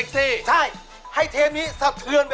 พี่แนะนำตัวหน่อย